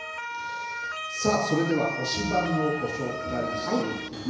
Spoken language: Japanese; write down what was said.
さあそれでは、推しバン！をご紹介していきます。